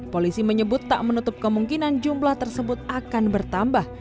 polisi menyebut tak menutup kemungkinan jumlah tersebut akan bertambah